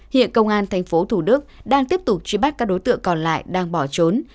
hiện công an tp thủ đức đang tiếp tục truy bắt các đối tượng còn lại đang bỏ trốn